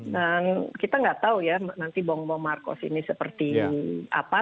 dan kita nggak tahu ya nanti bombo marcos ini seperti apa